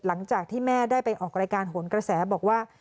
หลังจากที่แม่ได้ไปออกรายการโหนกระแสบอกว่า